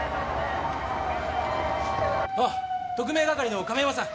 あっ特命係の亀山さん！